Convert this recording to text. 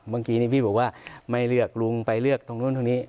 เมื่อกี้นี้พี่บอกว่าไม่เลือกลุงไปเลือกตรงนู้นตรงนี้